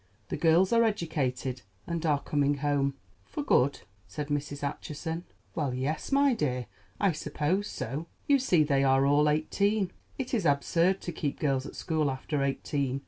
The girls are educated, and are coming home." "For good?" said Mrs. Acheson. "Well, yes, my dear; I suppose so. You see, they are all eighteen. It is absurd to keep girls at school after eighteen.